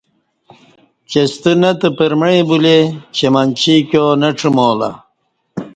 چہ ستہ نہ تہ پرمعی بلے چہ منچی ایکیو نہ ڄمالہ